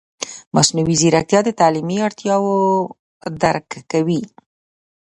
مصنوعي ځیرکتیا د تعلیمي اړتیاوو درک کوي.